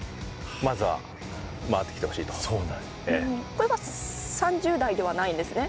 これは３０台ではないんですね。